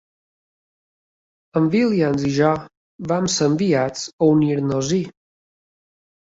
En Williams i jo vam ser enviats a unir-nos-hi.